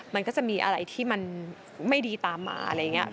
มันก็จะมีอะไรที่มันไม่ดีตามมาอะไรอย่างนี้